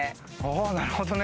なるほどね。